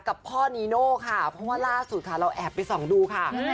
กับพ่อนีโน่ค่ะเพราะว่าล่าสุดค่ะเราแอบไปส่องดูค่ะ